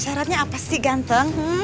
syaratnya apa sih ganteng